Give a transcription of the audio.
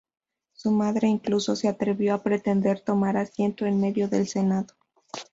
Su madre incluso se atrevió a pretender tomar asiento en medio del Senado.